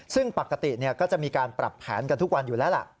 ซึ่งปกติก็จะมีการปรับแผนกันทุกวันอยู่แล้วล่ะ